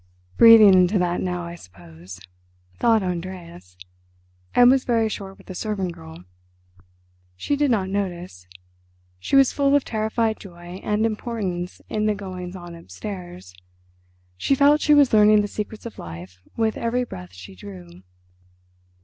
"Breathing into that, now, I suppose," thought Andreas, and was very short with the servant girl. She did not notice. She was full of terrified joy and importance in the goings on upstairs. She felt she was learning the secrets of life with every breath she drew.